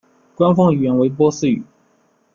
官方语言为波斯语。